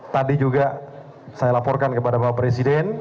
tadi juga saya laporkan kepada bapak presiden